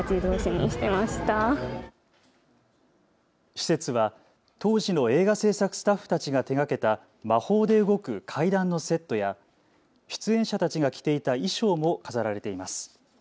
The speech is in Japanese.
施設は当時の映画制作スタッフたちが手がけた魔法で動く階段のセットや出演者たちが着ていた衣装も飾られています。